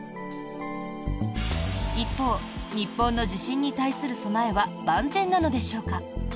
一方、日本の地震に対する備えは万全なのでしょうか？